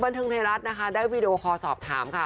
วันนี้ภธิงไทยรัฐได้วิดีโอคอสอบถามค่ะ